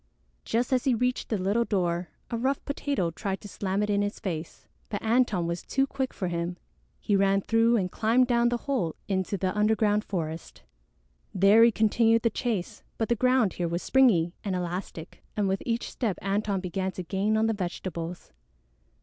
Just as he reached the little door, a rough Potato tried to slam it in his face. But Antone was too quick for him. He ran through and climbed down the hole into the underground forest. There he continued the chase, but the ground here was springy and elastic, and with each step Antone began to gain on the vegetables.